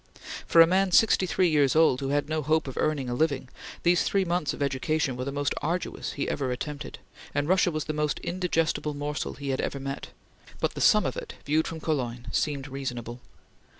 For a man sixty three years old who had no hope of earning a living, these three months of education were the most arduous he ever attempted, and Russia was the most indigestible morsel he ever met; but the sum of it, viewed from Cologne, seemed reasonable.